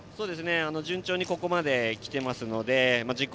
順調にここまで来ていますので自己